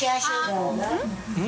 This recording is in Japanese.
うん？